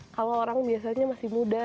kalau orang biasanya masih muda